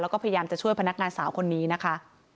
แล้วก็พยายามจะช่วยพนักงานสาวคนนี้นะคะ